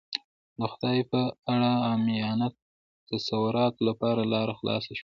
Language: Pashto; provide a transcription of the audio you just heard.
د خدای په اړه عامیانه تصوراتو لپاره لاره خلاصه شوه.